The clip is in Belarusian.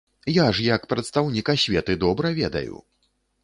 Я ж як прадстаўнік асветы добра ведаю!